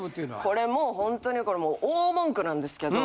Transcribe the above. これもホントにこれもう大文句なんですけど。